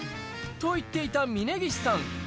と言っていた峯岸さん。